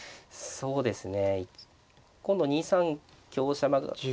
そうですね。